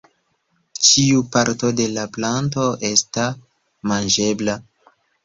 Ĉiu parto de la planto esta manĝebla.